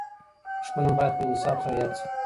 دښمن هم باید په انصاف سره یاد سي.